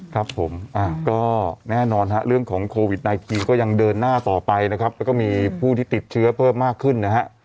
ครับผมก็แน่นอนฮะเรื่องของโควิด๑๙ก็ยังเดินหน้าต่อไปนะครับแล้วก็มีผู้ที่ติดเชื้อเพิ่มมากขึ้นนะฮะ